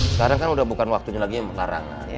sekarang kan udah bukan waktunya lagi yang melarang